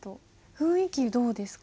雰囲気どうですか？